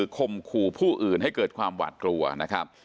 คมขู่ผู้อื่นให้เกิดความหวาดกลัวนะครับ